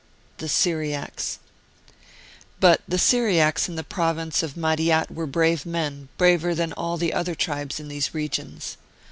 THE SYRIACS. But the Syriacs in the province of Madiat were brave men, braver than all the other tribes in these regions.